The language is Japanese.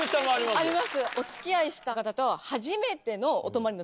あります。